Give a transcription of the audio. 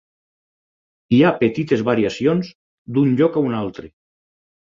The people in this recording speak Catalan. Hi ha petites variacions d'un lloc a un altre.